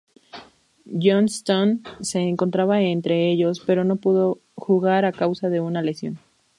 Johnstone se encontraba entre ellos, pero no pudo jugar a causa de una lesión.